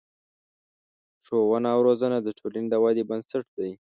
ښوونه او روزنه د ټولنې د ودې بنسټ دی.